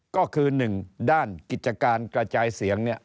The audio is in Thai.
ก็คือ๑ด้านกิจการกระจายเสียงเนี่ย